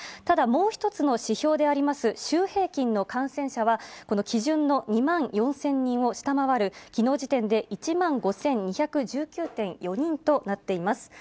ただもう一つの指標であります、週平均の感染者は、この基準の２万４０００人を下回るきのう時点で１万５２１９．４人となっています。